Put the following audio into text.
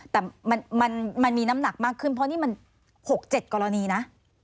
แต่มันมีน้ำหนักมากขึ้นเพราะนี่มัน๖๗กรณีนะ